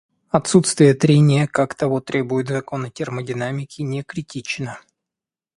Отсутствие трения, как того требуют законы термодинамики, не критично.